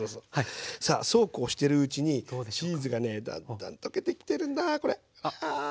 さあそうこうしてるうちにチーズがねだんだん溶けてきてるんだこれ。